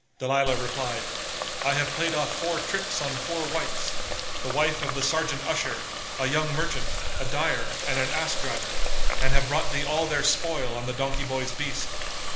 Dalilah replied, "I have played off four tricks on four wights; the wife of the Serjeant usher, a young merchant, a dyer and an ass driver, and have brought thee all their spoil on the donkey boy's beast."